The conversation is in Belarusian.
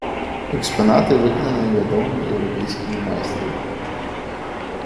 Экспанаты выкананыя вядомымі еўрапейскімі майстрамі.